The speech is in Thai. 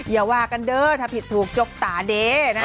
อย่าว่ากันเด้อถ้าผิดถูกจกตาเด้นะ